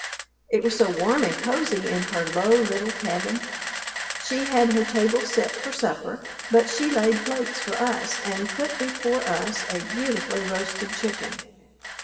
It was so warm and cozy in her low little cabin. She had her table set for supper, but she laid plates for us and put before us a beautifully roasted chicken.